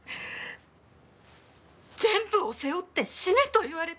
「全部を背負って死ね」と言われたんです。